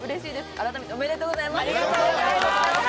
改めておめでとうございます。